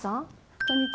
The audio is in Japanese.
こんにちは。